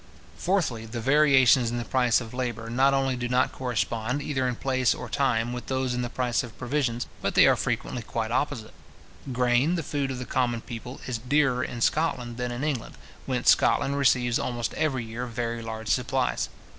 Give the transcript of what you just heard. Fourthly, the variations in the price of labour not only do not correspond, either in place or time, with those in the price of provisions, but they are frequently quite opposite. Grain, the food of the common people, is dearer in Scotland than in England, whence Scotland receives almost every year very large supplies.